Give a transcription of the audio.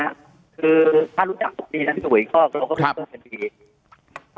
คือถ้ารู้จักพวกที่นั้นพี่หุยที่สังเกิดก็ครับ